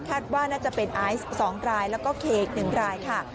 ว่าน่าจะเป็นไอซ์๒รายแล้วก็เคอีก๑รายค่ะ